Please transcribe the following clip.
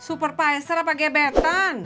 superpaiser apa gebetan